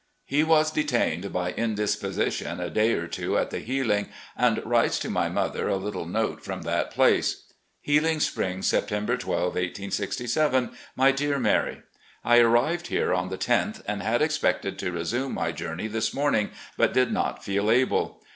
He was detained by indisposition a day or MOUNTAIN RIDES 279 two at the Healing, and writes to my mother a little note from that place; "Healing Springs, September 12, 1867. "My Dear Mary: I arrived here on the loth, and had expected to resume my journey this morning, but did not feel able.